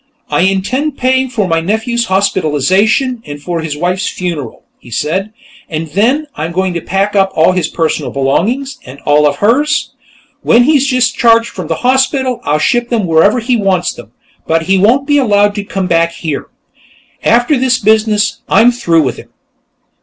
"I intend paying for my nephew's hospitalization, and for his wife's funeral," he said. "And then, I'm going to pack up all his personal belongings, and all of hers; when he's discharged from the hospital, I'll ship them wherever he wants them. But he won't be allowed to come back here. After this business, I'm through with him."